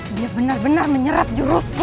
dia benar benar menyerap jurus